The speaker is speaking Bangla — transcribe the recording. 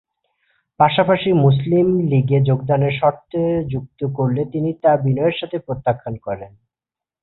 পাশাপাশি মুসলিম লীগে যোগদানের শর্ত যুক্ত করলে তিনি তা বিনয়ের সাথে প্রত্যাখ্যান করেন।